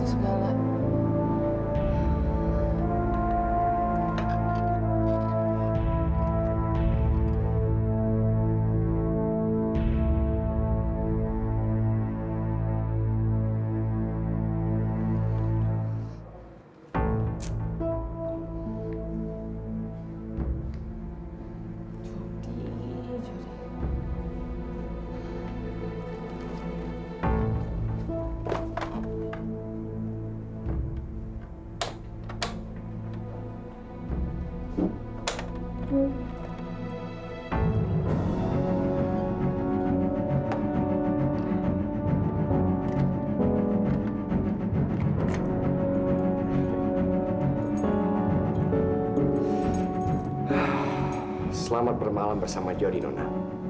selamat bermalam bersama jody nona